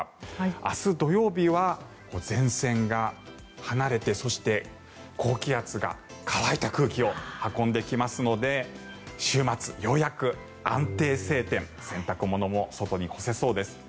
明日土曜日は前線が離れてそして高気圧が乾いた空気を運んできますので週末、ようやく安定晴天洗濯物も外に干せそうです。